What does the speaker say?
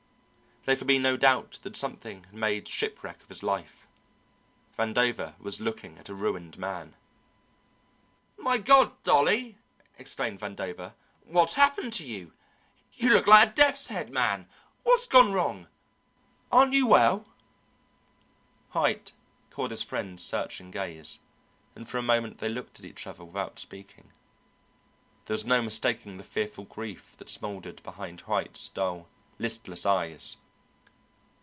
There could be no doubt that something had made shipwreck of his life. Vandover was looking at a ruined man. "My God, Dolly!" exclaimed Vandover, "what's happened to you? You look like a death's head, man! What's gone wrong? Aren't you well?" Haight caught his friend's searching gaze, and for a moment they looked at each other without speaking. There was no mistaking the fearful grief that smouldered behind Haight's dull, listless eyes.